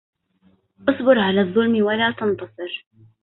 اصبر على الظلم ولا تنتصر